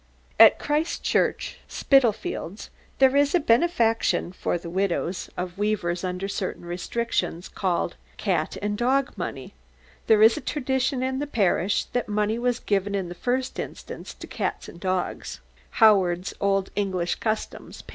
At Christ Church, Spitalfields, there is a benefaction for the widows of weavers under certain restrictions, called "cat and dog money." There is a tradition in the parish that money was given in the first instance to cats and dogs.[G] [G] Edwards's "Old English Customs," p.